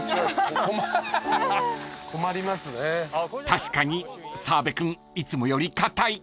［確かに澤部君いつもより硬い］